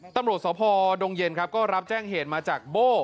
ตำรวจสพดงเย็นครับก็รับแจ้งเหตุมาจากโบ้